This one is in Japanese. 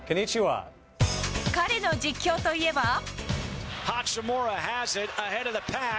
彼の実況といえば。